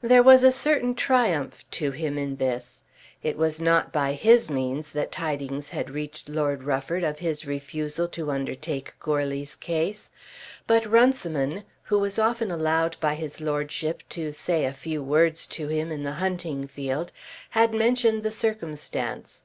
There was a certain triumph to him in this. It was not by his means that tidings had reached Lord Rufford of his refusal to undertake Goarly's case. But Runciman, who was often allowed by his lordship to say a few words to him in the hunting field, had mentioned the circumstance.